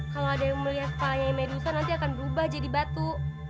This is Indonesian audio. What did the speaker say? kalau ada yang melihat kepala nyai medusa nanti akan berubah jadi batu